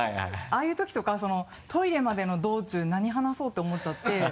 ああいうときとかトイレまでの道中何話そうって思っちゃって。